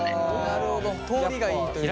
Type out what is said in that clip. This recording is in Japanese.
なるほど通りがいいというか。